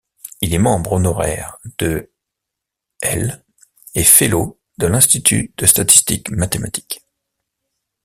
Il est membre honoraire de l' et fellow de l'Institut de statistique mathématique.